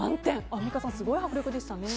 アンミカさんすごい迫力でしたね。